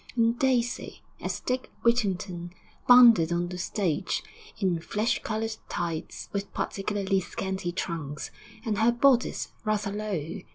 And Daisy, as Dick Whittington, bounded on the stage in flesh coloured tights, with particularly scanty trunks, and her bodice rather low.